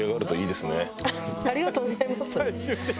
ありがとうございます。